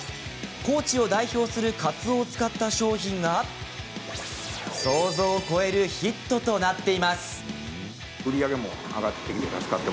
高知を代表するかつおを使った商品が想像を超えるヒットとなっています。